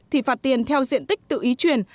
thì phạt tiền theo diện tích tự ý chuyển